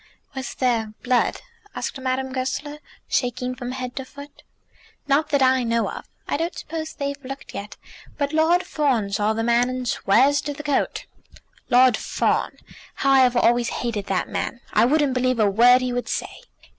"Was there blood?" asked Madame Goesler, shaking from head to foot. "Not that I know. I don't suppose they've looked yet. But Lord Fawn saw the man, and swears to the coat." "Lord Fawn! How I have always hated that man! I wouldn't believe a word he would say."